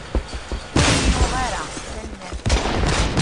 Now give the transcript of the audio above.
Ur iyi-yuɣ ara, tanemmirt.